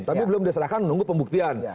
tapi belum diserahkan menunggu pembuktian